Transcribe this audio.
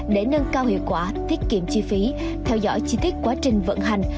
để nâng cao hiệu quả tiết kiệm chi phí theo dõi chi tiết quá trình vận hành